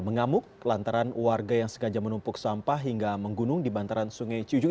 mengamuk lantaran warga yang sengaja menumpuk sampah hingga menggunung di bantaran sungai cuju